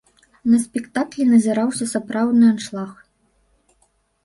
На спектаклі назіраўся сапраўдны аншлаг.